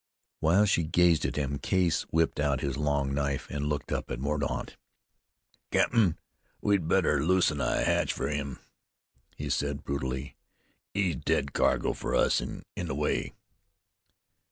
While she gazed at him Case whipped out his long knife, and looked up at Mordaunt. "Cap'n, I'd better loosen a hatch fer him," he said brutally. "He's dead cargo fer us, an' in the way."